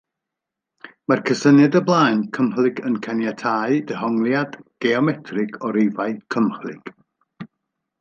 Mae'r cysyniad o blân cymhlyg yn caniatáu dehongliad geometrig o rifau cymhlyg.